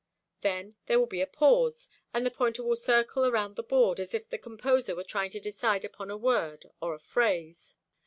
Then there will be a pause, and the pointer will circle around the board, as if the composer were trying to decide upon a word or a phrase.